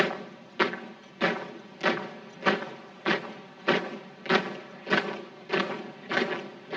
kembali ke tempat